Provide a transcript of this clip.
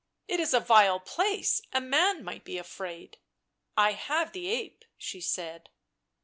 " It is a vile place; a man might be afraid. "" I have the ape," she said.